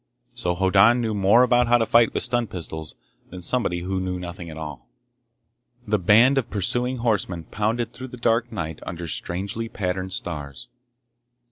So Hoddan knew more about how to fight with stun pistols than somebody who knew nothing at all. The band of pursuing horsemen pounded through the dark night under strangely patterned stars.